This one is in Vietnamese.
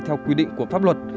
theo quy định của pháp luật